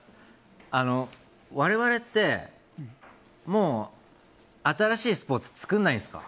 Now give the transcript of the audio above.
我々ってもう新しいスポーツ作らないんですか？